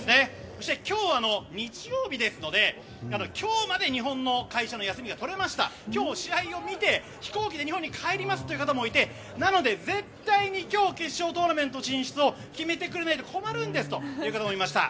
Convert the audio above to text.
そして、今日日曜日ですので今日まで日本の会社の休みが取れました今日、試合を見て、飛行機で日本に帰りますという方もいてなので絶対に今日、決勝トーナメント進出を決めてくれないと困るんですという方もいました。